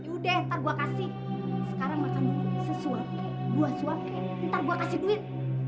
udah entar gua kasih sekarang makan sesuap buah suap ntar gua kasih duit